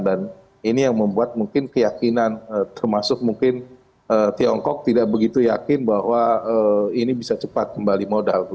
dan ini yang membuat mungkin keyakinan termasuk mungkin tiongkok tidak begitu yakin bahwa ini bisa cepat kembali modal